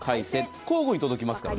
交互に届きますからね。